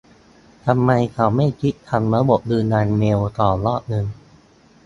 ทำไมเขาไม่คิดทำระบบยืนยันเมลก่อนรอบนึง